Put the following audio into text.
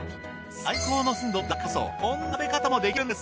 最高の鮮度だからこそこんな食べ方もできるんです。